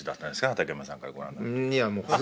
畠山さんからご覧になって。